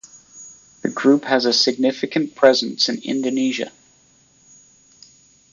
The Group has a significant presence in Indonesia.